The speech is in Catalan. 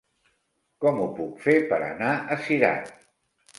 Com ho puc fer per anar a Cirat?